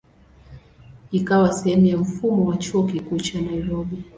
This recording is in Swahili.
Ikawa sehemu ya mfumo wa Chuo Kikuu cha Nairobi.